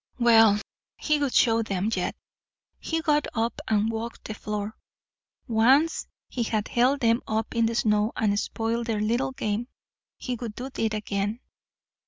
Well, he would show them yet. He got up and walked the floor. Once he had held them up in the snow and spoiled their little game he would do it again.